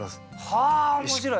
はあ面白い。